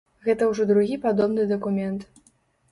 Гэта ўжо другі падобны дакумент.